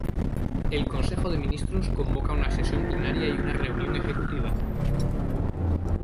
El Consejo de Ministros convoca una sesión plenaria y una reunión ejecutiva.